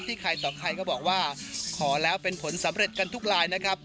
ใครต่อใครก็บอกว่าขอแล้วเป็นผลสำเร็จกันทุกลายนะครับ